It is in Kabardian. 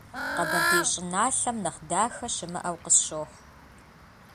Къэбэрдей щӏыналъэм нэхъ дахэ щымыӏэу къысщохъу.